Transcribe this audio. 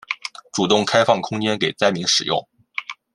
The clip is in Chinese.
主动开放空间给灾民使用